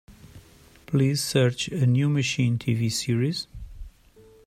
Please search A New Machine TV series.